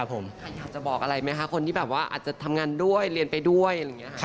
อยากจะบอกอะไรไหมคะคนที่อาจจะทำงานด้วยเรียนไปด้วย